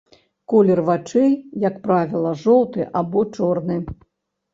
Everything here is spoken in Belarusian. Колер вачэй, як правіла, жоўты або чорны.